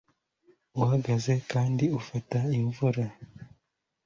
uhagaze kandi ufata imvura